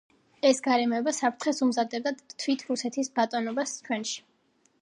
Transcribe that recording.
ეს გარემოება საფრთხეს უმზადებდა თვით რუსეთის ბატონობას ჩვენში.